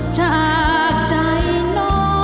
จากใจน้อง